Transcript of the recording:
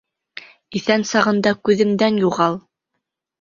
Иҫән сағында күҙемдән юғал.